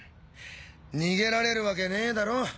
逃げられるわけねぇだろ。